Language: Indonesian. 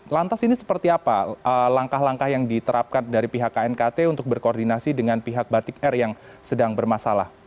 lantas ini seperti apa langkah langkah yang diterapkan dari pihak knkt untuk berkoordinasi dengan pihak batik air yang sedang bermasalah